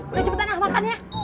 udah cepet anak makan ya